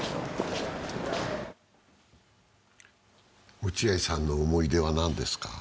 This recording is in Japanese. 落合さんの思い出は何ですか？